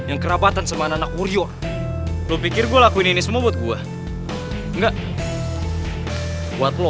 ngapain sih boncengan pakai motor yang itu